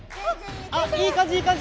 あっいい感じいい感じ！